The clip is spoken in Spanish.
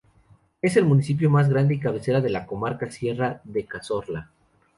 Es el municipio más grande y cabecera de la Comarca Sierra de Cazorla.